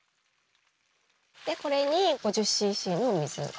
でこれに５０ｃｃの水。